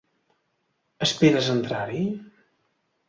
Esperes entrar-hi?